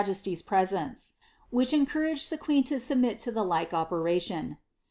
331 mijesty^s presence, which encouraged the queen to submit to the like opention.